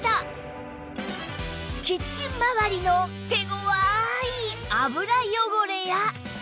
キッチンまわりの手ごわい油汚れや